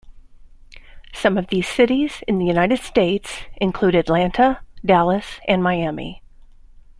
Some of these cities in the United States, include Atlanta, Dallas, and Miami.